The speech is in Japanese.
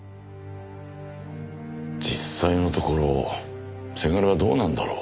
実際のところせがれはどうなんだろう？